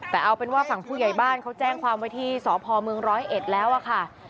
แต่เอาเป็นว่าฝั่งผู้ใหญ่บ้านเขาแจ้งความไว้ที่สพเมืองร้อยเอ็ดแล้วอะค่ะ